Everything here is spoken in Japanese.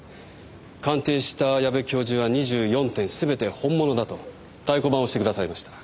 鑑定した矢部教授は２４点全て本物だと太鼓判を押して下さいました。